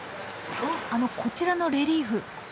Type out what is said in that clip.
あのこちらのレリーフ